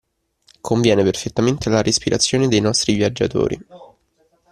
Conviene perfettamente alla respirazione dei nostri viaggiatori.